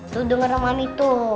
tuh denger emang itu